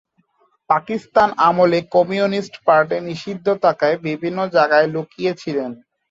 পাকিস্তান আমলে communist party নিষিদ্ধ থাকায় বিভিন্ন জায়গায় লুকিয়ে ছিলেন।